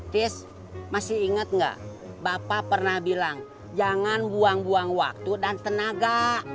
tis masih ingat nggak bapak pernah bilang jangan buang buang waktu dan tenaga